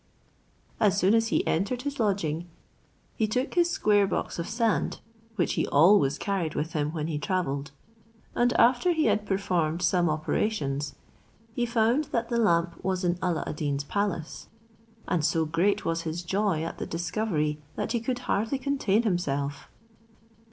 As soon as he entered his lodging, he took his square box of sand, which he always carried with him when he travelled, and after he had performed some operations, he found that the lamp was in Alla ad Deen's palace, and so great was his joy at the discovery that he could hardly contain himself.